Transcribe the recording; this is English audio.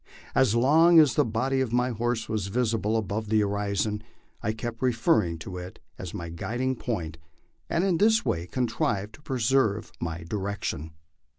As long as the body of my horse was visible above the horizon, I kept referring to it as my guiding point, and in this way contrived to preserve my direction.